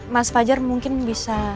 mas fajar mungkin bisa